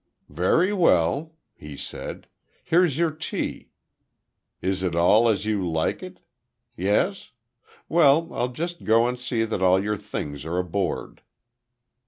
"Very well," he said. "Here's your tea. Is it all as you like it? Yes? Well, I'll just go and see that all your things are aboard."